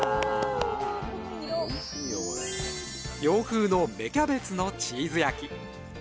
洋風の「芽キャベツのチーズ焼き」。